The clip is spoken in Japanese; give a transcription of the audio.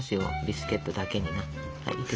ビスケットだけにな。